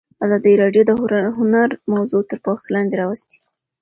ازادي راډیو د هنر موضوع تر پوښښ لاندې راوستې.